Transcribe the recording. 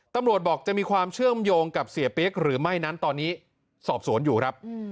ตำรวจบอกจะมีความเชื่อมโยงกับเสียเปี๊ยกหรือไม่นั้นตอนนี้สอบสวนอยู่ครับ